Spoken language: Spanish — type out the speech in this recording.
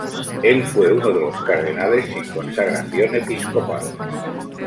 Él fue uno de los cardenales sin consagración episcopal.